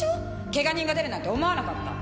ケガ人が出るなんて思わなかった。